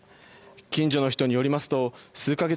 近所の人によりますと数か月